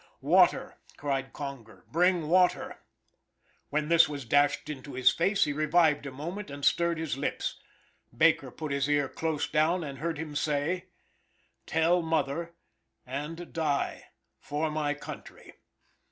"Water," cried Conger, "bring water." When this was dashed into his face, he revived a moment and stirred his lips. Baker put his ear close down, and heard him say: "Tell mother and die for my country."